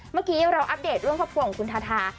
เมื่อกี้เราอัปเดตเรื่องครอบครัวของคุณทาทา